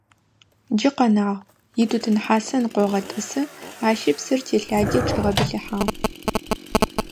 Джы къэнагъ: итутын хьасэ ныкъогъэтӀысы, ащи псыр телъади чӀигъэбылъыхьагъ.